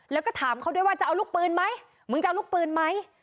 แล้วก็ถามเขาด้วยว่าจะเอาลูกปืนไหมมึงจะเอาลูกปืนไหม